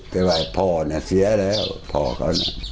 แต่ว่าพ่อเนี่ยเสียแล้วพ่อเขาเนี่ย